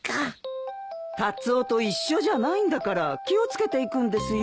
カツオと一緒じゃないんだから気を付けて行くんですよ。